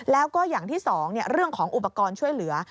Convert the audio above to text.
แล้วก็อย่างที่๒เรื่องของอุปกรณ์ช่วยเหลือ